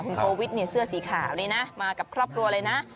คุณโกวิทเสื้อสีขาวนี่นะมากับครอบครัวเลยนะ